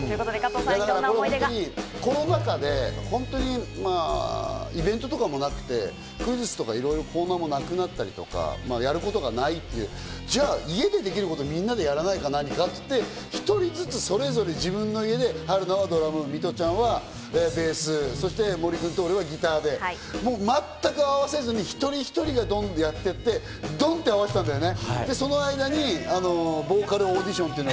だから本当にコロナ禍で、イベントとかもなくて、クイズッスとかいろいろなコーナーもなくなったりとか、やることがないって、じゃあ、家でできること何かな？って言って、１人ずつそれぞれ、自分の家で春菜はドラム、ミトちゃんはベース、森君と俺はギターで全く会わせずに一人一人がやってて、ドン！で合わせたんだよね。